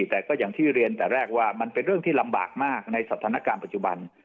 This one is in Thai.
แต่ก็อย่างที่เรียนแต่แรกว่ามันเป็นเรื่องที่ลำบากมากในสถานการณ์ปัจจุบัน